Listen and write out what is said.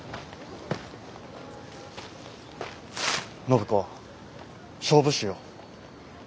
暢子勝負しよう。